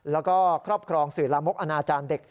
แล้วก็ครอบครองสื่อลามกอนาจารย์เด็ก